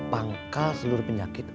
pangkal seluruh penyakit